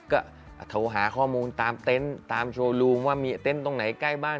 ก็โทรหาข้อมูลตามเต็นต์ตามโชว์รูมว่ามีเต็นต์ตรงไหนใกล้บ้าน